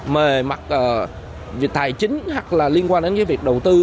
về mặt về tài chính hoặc là liên quan đến cái việc đầu tư